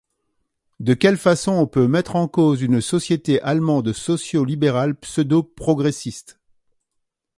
De quelle façon on peut mettre en cause une société allemande socio-libérale pseudo-progressiste.